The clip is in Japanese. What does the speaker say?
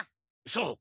そう。